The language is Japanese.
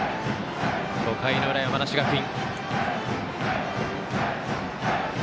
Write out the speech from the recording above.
５回の裏、山梨学院。